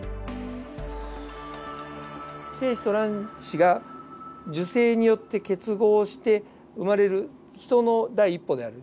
精子と卵子が受精によって結合して生まれるヒトの第１歩である。